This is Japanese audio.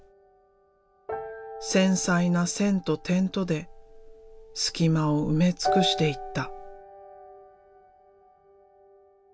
繊細な線と点とで隙間を埋め尽くしていった。